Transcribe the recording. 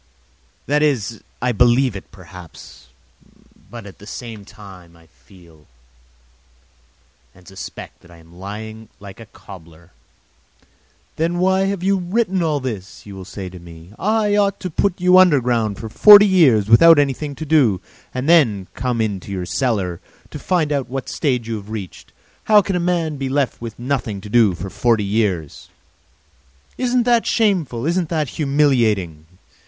That is, I believe it, perhaps, but at the same time I feel and suspect that I am lying like a cobbler. "Then why have you written all this?" you will say to me. "I ought to put you underground for forty years without anything to do and then come to you in your cellar, to find out what stage you have reached! How can a man be left with nothing to do for forty years?" "Isn't that shameful, isn't that humiliating?"